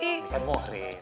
ini kan mohri